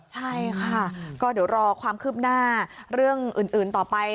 ใช่ค่ะก็เดี๋ยวรอความคืบหน้าเรื่องอื่นต่อไป